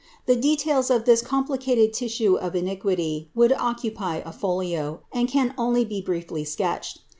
The details of t this complicated tissue of iniquity would occupy a folio, and can only J be brietly sketched.